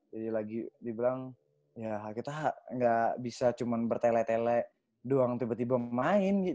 jadi lagi dibilang ya kita gak bisa cuma bertele tele doang tiba tiba main gitu